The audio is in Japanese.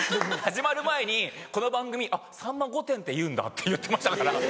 始まる前に「この番組『さんま御殿‼』っていうんだ」って言ってましたから。